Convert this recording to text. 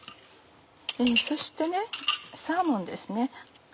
そしてサーモンですね。